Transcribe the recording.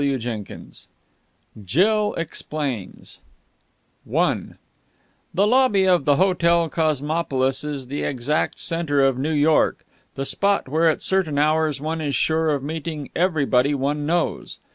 CHAPTER XV JILL EXPLAINS I The lobby of the Hotel Cosmopolis is the exact centre of New York, the spot where at certain hours one is sure of meeting everybody one knows.